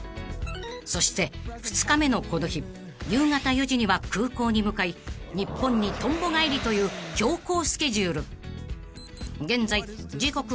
［そして２日目のこの日夕方４時には空港に向かい日本にとんぼ返りという強行スケジュール］